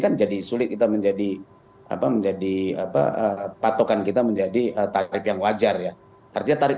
kan jadi sulit kita menjadi apa menjadi apa patokan kita menjadi tarif yang wajar ya artinya tarif